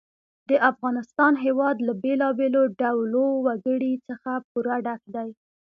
د افغانستان هېواد له بېلابېلو ډولو وګړي څخه پوره ډک دی.